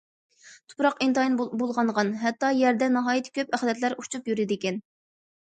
تۇپراق ئىنتايىن بۇلغانغان، ھەتتا يەردە ناھايىتى كۆپ ئەخلەتلەر ئۇچۇپ يۈرىدىكەن.